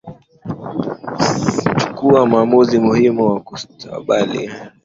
s kuchukua maamuzi muhimu kwa mustakabali wa wananchi wa nchi husika